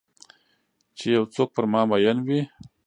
چې یو څوک پر مامین وي